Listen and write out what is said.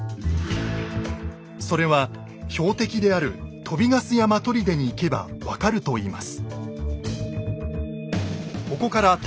それは標的である鳶ヶ巣山砦に行けば分かるといいます